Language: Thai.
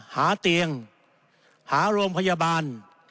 หาเตียงหาโรงพยาบาล